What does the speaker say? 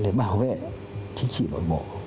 để bảo vệ chính trị đối bộ